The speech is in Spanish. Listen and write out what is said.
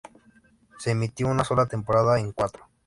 Se emitió una sola temporada en Cuatro.